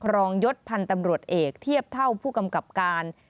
ยศพันธ์ตำรวจเอกเทียบเท่าผู้กำกับการ